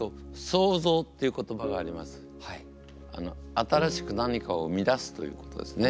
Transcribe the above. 新しく何かを生み出すということですね。